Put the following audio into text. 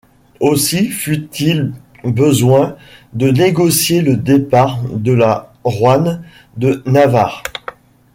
Aussy feut-il besoing de négocier le départ de la Royne de Navarre.